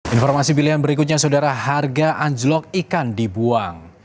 informasi pilihan berikutnya saudara harga anjlok ikan dibuang